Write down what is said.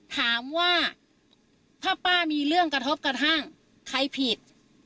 ถามว่าถ้าป้ามีเรื่องกระทบกระทั่งใครผิด